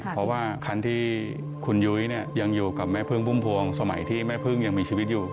เพราะว่าคันที่คุณยุ้ยยังอยู่กับแม่พึ่งพุ่มพวงสมัยที่แม่พึ่งยังมีชีวิตอยู่